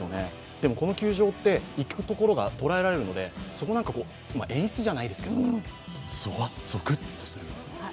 でも、この球場って行くところが捉えられるので、演出じゃないですけど、ゾクッとしました。